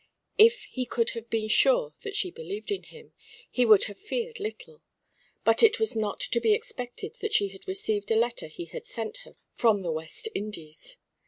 If he could have been sure that she believed in him, he would have feared little; but it was not to be expected that she had received a letter he had sent her from the West Indies.